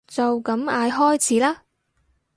就咁嗌開始啦